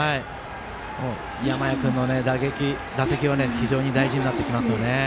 山家君の打席は非常に大事になってきますよね。